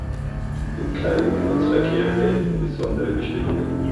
Im kleinen Grenzverkehr gelten besondere Bestimmungen.